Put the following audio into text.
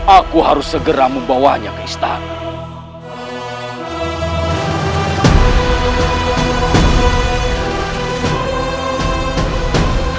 aku harus segera membawanya ke istana